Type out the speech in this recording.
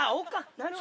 なるほど！